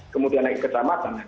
kemudian naik ke kecamatan